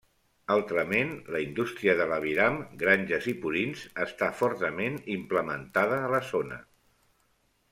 Altrament, la indústria de l'aviram, granges i purins, està fortament implementada a la zona.